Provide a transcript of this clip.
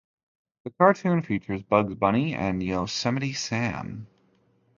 The cartoon features Bugs Bunny and Yosemite Sam.